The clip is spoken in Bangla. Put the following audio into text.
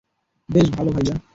বেশ ভালো, ভাইয়া।